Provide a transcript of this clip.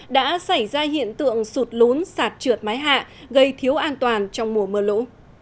đã xảy ra hiện tượng sụt lún sạt trượt mái hạ gây thiếu an toàn trong mùa mưa lũ